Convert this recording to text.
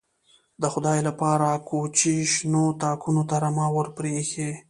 _د خدای له پاره، کوچي شنو تاکونو ته رمه ور پرې اېښې.